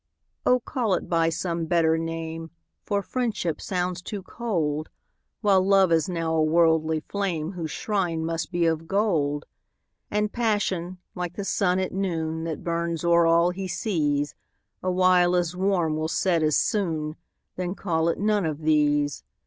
Oh, call it by some better name, For Friendship sounds too cold, While Love is now a worldly flame, Whose shrine must be of gold: And Passion, like the sun at noon, That burns o'er all he sees, Awhile as warm will set as soon Then call it none of these.